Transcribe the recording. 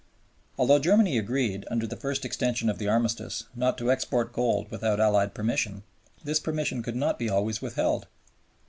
Although Germany agreed, under the first extension of the Armistice, not to export gold without Allied permission, this permission could not be always withheld.